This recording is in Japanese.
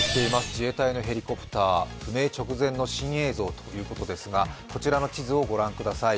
自衛隊のヘリコプター、直前の新映像ということですがこちらの地図をご覧ください。